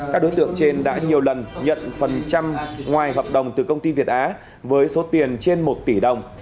các đối tượng trên đã nhiều lần nhận phần trăm ngoài hợp đồng từ công ty việt á với số tiền trên một tỷ đồng